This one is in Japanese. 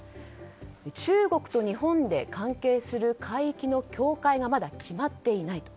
中国と日本で関係する海域の境界がまだ決まっていない。